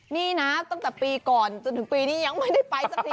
นี่นะตั้งแต่ปีก่อนจนถึงปีนี้ยังไม่ได้ไปสักที